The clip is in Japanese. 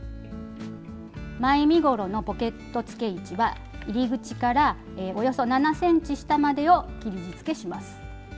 前身ごろのポケットつけ位置は入り口からおよそ７ｃｍ下までを切りじつけします。